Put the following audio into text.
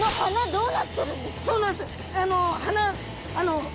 そうなんです。